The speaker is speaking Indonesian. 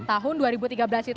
tahun dua ribu tiga belas itu